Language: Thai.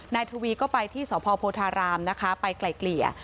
ทวีก็ไปที่สพโพธารามนะคะไปไกลเกลี่ย